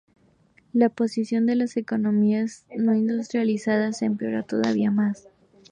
La posición de las economías no industrializadas empeoró todavía más.